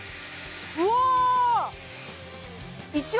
うわ！